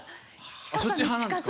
そっち派なんですか？